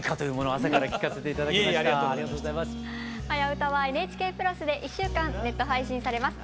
「はやウタ」はＮＨＫプラスで１週間ネット配信されます。